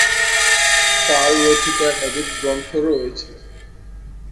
তার রচিত একাধিক গ্রন্থ রয়েছে।